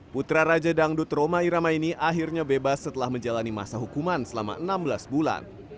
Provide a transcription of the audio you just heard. putra raja dangdut roma irama ini akhirnya bebas setelah menjalani masa hukuman selama enam belas bulan